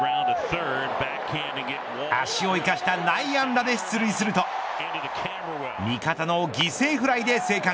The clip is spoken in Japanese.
足を生かした内野安打で出塁すると味方の犠牲フライで生還。